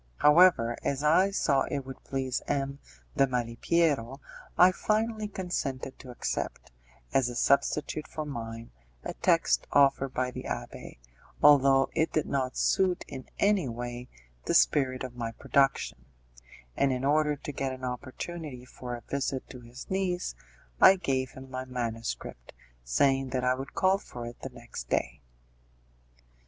However, as I saw it would please M. de Malipiero, I finally consented to accept, as a substitute for mine, a text offered by the abbé, although it did not suit in any way the spirit of my production; and in order to get an opportunity for a visit to his niece, I gave him my manuscript, saying that I would call for it the next day.